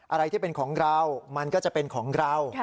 อะไรที่เป็นของเรามันก็จะเป็นของเรา